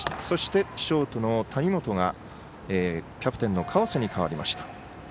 そして、ショートの谷本がキャプテンの川瀬に代わりました。